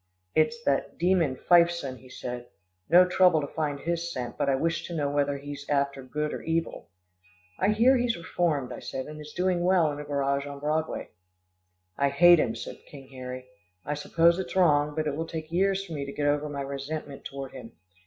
"It's that demon Fifeson," he said. "No trouble to find his scent, but I wished to know whether he's after good or evil." "I hear he's reformed," I said, "and is doing well in a garage on Broadway." "I hate him," said King Harry. "I suppose it's wrong, but it will take years for me to get over my resentment toward him.